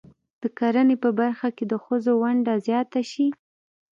د کرنې په برخه کې د ښځو ونډه زیاته شي.